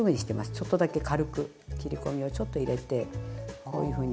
ちょっとだけ軽く切り込みをちょっと入れてこういうふうに。